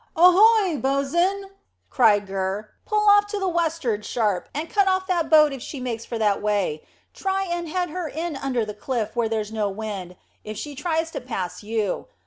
"Ahoy, bo's'n!" cried Gurr; "pull off to the west'ard sharp, and cut off that boat if she makes for that way. Try and head her in under the cliff where there's no wind, if she tries to pass you.